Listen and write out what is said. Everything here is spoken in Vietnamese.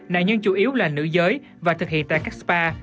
nạn nhân chủ yếu là nữ giới và thực hiện tại các spa